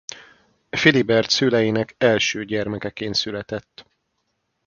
Filibert szüleinek első gyermekeként született.